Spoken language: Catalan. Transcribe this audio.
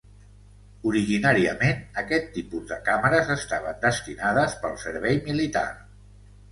Originàriament aquest tipus de càmeres estaven destinades pel servei militar.